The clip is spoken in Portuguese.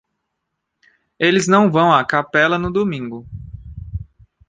Eles não vão à capela no domingo.